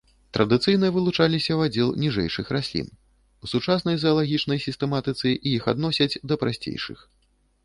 Традыцыйна вылучаліся ў аддзел ніжэйшых раслін, у сучаснай заалагічнай сістэматыцы іх адносяць да прасцейшых.